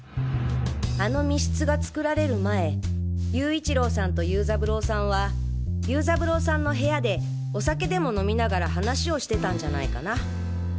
あの密室が作られる前勇一郎さんと游三郎さんは游三郎さんの部屋でお酒でも飲みながら話をしてたんじゃないかな。